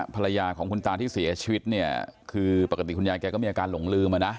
ภรรยาของคุณตาที่เสียชีวิตเนี่ยคือปกติคุณยายแกก็มีอาการหลงลืมอ่ะนะ